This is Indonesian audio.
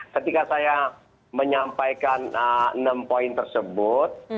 ketika saya menyampaikan enam poin tersebut